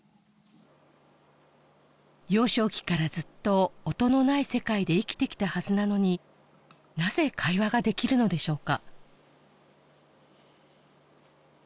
幼少期からずっと音のない世界で生きてきたはずなのになぜ会話ができるのでしょうか